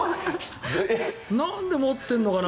なんで持ってるのかな。